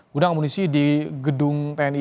gudang amunisi di gedung tni